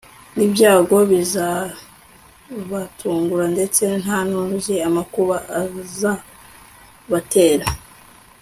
ibyago bizabatungura ndetse nta n'uzi amakuba azabatera